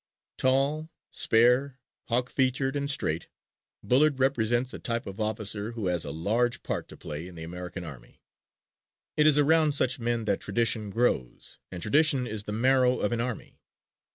Tall, spare, hawk featured and straight, Bullard represents a type of officer who has a large part to play in the American army. It is around such men that tradition grows and tradition is the marrow of an army.